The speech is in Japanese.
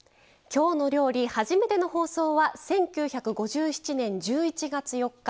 「きょうの料理」の初めての放送は１９５７年１１月４日。